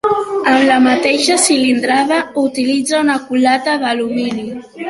Amb la mateixa cilindrada, utilitza una culata d'alumini.